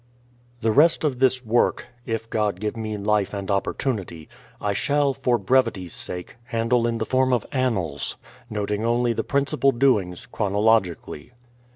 The rest of this work— if God give me life and opportun ity — I shall, for brevity's sake, handle in the form of An nals, noting only the principal doings, chronologically.